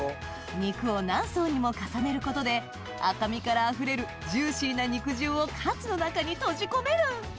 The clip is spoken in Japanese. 肉を何層にも重ねることで赤身から溢れるジューシーな肉汁をカツの中に閉じ込める！